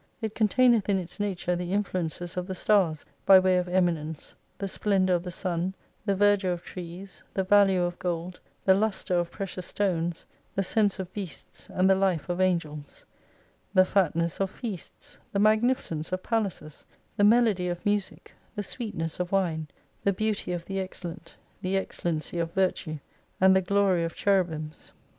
It con taineth in its nature the influences of the stars by way of eminence, the splendour of the sun, the verdure of trees, the value of gold, the lustre of precious stones, the sense of beasts and the life of Angels : the fatness ot feasts, the magnificence of palaces, the melody of music, the sweetness of wine, the beauty of the excellent, the excellency of virtue, and the glory of cherubims.